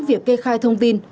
việc kê khai thông tin